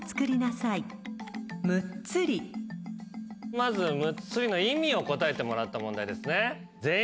まず「むっつり」の意味を答えてもらった問題ですね。